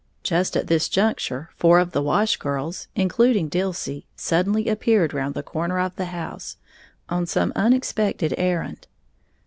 Just at this juncture, four of the wash girls, including Dilsey, suddenly appeared round the corner of the house, on some unexpected errand.